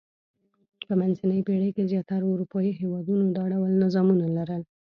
په منځنۍ پېړۍ کې زیاترو اروپايي هېوادونو دا ډول نظامونه لرل.